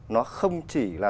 nó không chỉ là